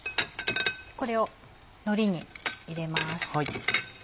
これをのりに入れます。